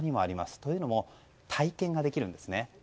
というのも体験ができるんですね。